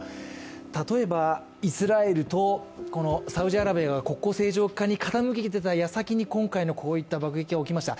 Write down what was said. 例えばイスラエルとサウジアラビアが国交正常化に傾けてた状況で今回こういう状況になりました。